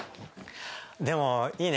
でもいいね。